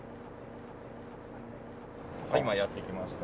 今やって来ました。